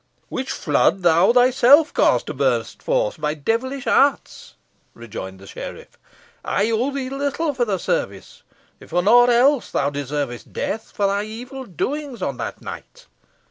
"Which flood thou thyself caused to burst forth by devilish arts," rejoined the sheriff. "I owe thee little for the service. If for naught else, thou deservest death for thy evil doings on that night."